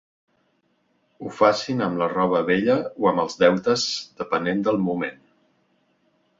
Ho facin amb la roba vella o amb els deutes, depenent del moment.